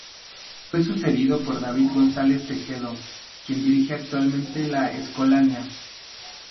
Fue sucedido por David González Tejero, quien dirige actualmente la Escolanía.